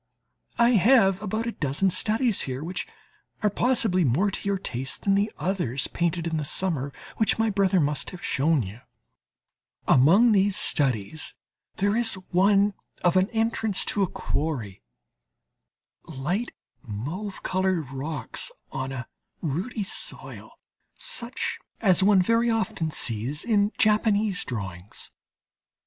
I still have about a dozen studies here, which are possibly more to your taste than the others painted in the summer, which my brother must have shown you. Among these studies there is one of an entrance to a quarry: light mauve coloured rocks on a ruddy soil, such as one very often sees in Japanese drawings.